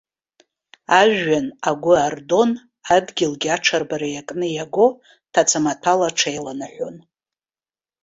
Ажәҩан агәы ардон, адгьылгьы аҽырбара иакны иаго, ҭацамаҭәала аҽеиланаҳәон.